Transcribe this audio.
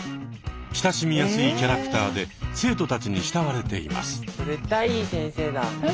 親しみやすいキャラクターで生徒たちに慕われています。